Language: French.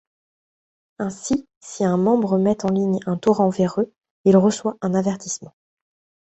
Ainsi si un membre met en ligne un torrent véreux, il reçoit un avertissement.